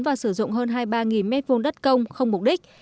và sử dụng hơn hai mươi ba m hai đất công không mục đích